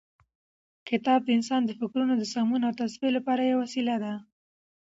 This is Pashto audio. کتاب د انسان د فکرونو د سمون او تصفیې لپاره یوه وسیله ده.